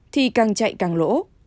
thì càng chạy càng lỗ